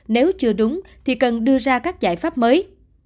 nếu chưa đúng thì cần đưa ra các giải pháp mới